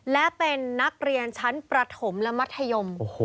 และเป็นนักเรียนชั้นประถมและมัธยม